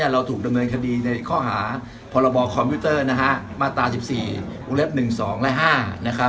เราถูกดำเนินคดีในข้อหาพรบคอมพิวเตอร์มาตร๑๔อุ๑๒และ๕